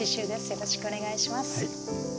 よろしくお願いします。